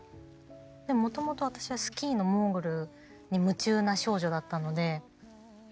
もともと私はスキーのモーグルに夢中な少女だったので。